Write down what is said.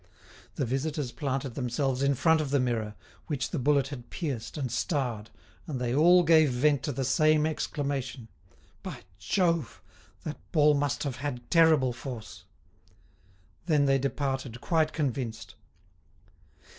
The visitors planted themselves in front of the mirror, which the bullet had pierced and starred, and they all gave vent to the same exclamation: "By Jove; that ball must have had terrible force!" Then they departed quite convinced.